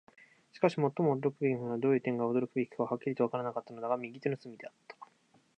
しかし、もっと驚くべきものは、どういう点が驚くべきかははっきりとはわからなかったのだが、右手の隅であった。